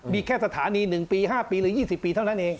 มีแค่สถานี๑ปี๕ปีหรือ๒๐ปีเท่านั้นเอง